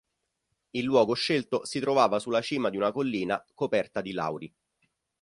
Il luogo scelto si trovava sulla cima di una collina coperta di lauri.